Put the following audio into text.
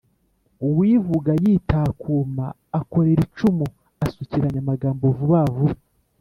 uwivuga yitakuma akorera icumu, asukiranya amagambo vuba vuba